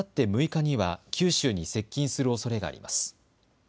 ６日には九州に接近するおそれがあります。